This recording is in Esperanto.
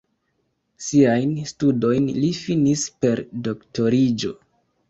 Siajn studojn li finis per doktoriĝo.